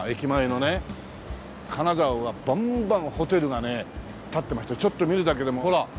金沢はばんばんホテルがね建ってましてちょっと見るだけでもうほら。